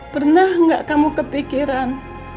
pernah nggak kamu kepikiran